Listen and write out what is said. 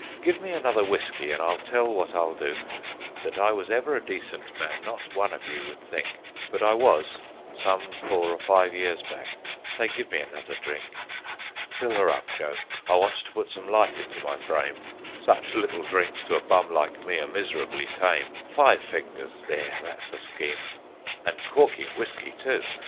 Give me another whiskey, and I'll tell what I'll do That I was ever a decent man not one of you would think; But I was, some four or five years back. Say, give me another drink. "Fill her up, Joe, I want to put some life into my frame Such little drinks to a bum like me are miserably tame; Five fingers there, that's the scheme and corking whiskey, too.